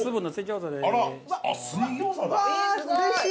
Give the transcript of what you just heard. わうれしい！